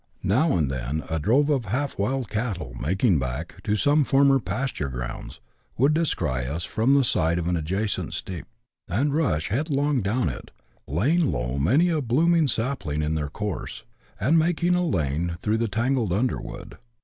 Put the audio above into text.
Now and then a drove of half wild cattle, " making back " to some former pasture gi ounds, would dci^ory us from the side of an adjacent steep, and rush hetidlong down it, laying low many a blooming siipling in their ooui'se, and making a lane through the tangled underwo<Kl.